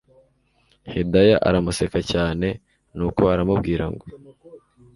Hidaya aramuseka cyane nuko aramubwira ngo